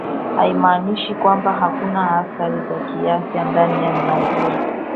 haimaanishi kwamba hakuna athari za kiafya ndani ya miongozo